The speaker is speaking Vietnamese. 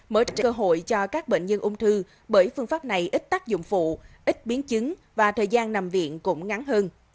mở ra cơ hội cho các bệnh nhân ung thư bởi phương pháp này ít tác dụng phụ ít biến chứng và thời gian nằm viện cũng ngắn hơn